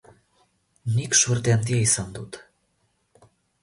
Nik suerte handia izan dut.